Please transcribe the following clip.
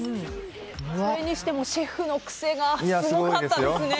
それにしてもシェフの癖がすごかったですね。